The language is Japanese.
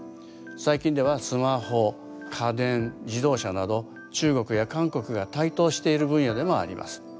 最近ではスマホ家電自動車など中国や韓国が台頭している分野でもあります。